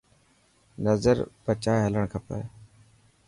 نظر بچائي هلڙڻ کپي.